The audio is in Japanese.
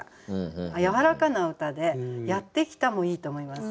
やわらかな歌で「やってきた」もいいと思います。